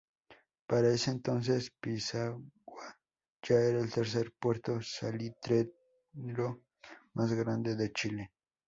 Para ese entonces, Pisagua ya era el tercer puerto salitrero más grande de Chile.